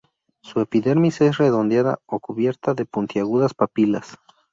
Su epidermis es redondeada o cubierta de puntiagudas papilas.